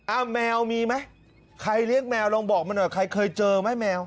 อ้าวแมวมีมั้ยใครเรียกแมวลงบอกมันไหมใครเคยเจอมั๊ยแมว